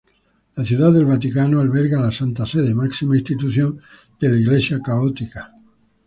La Ciudad del Vaticano alberga la Santa Sede, máxima institución de la Iglesia católica.